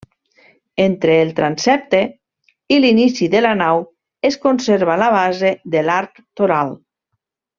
Entre el transsepte i l'inici de la nau es conserva la base de l'arc toral.